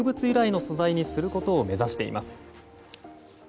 由来の素材にすることを目指しています。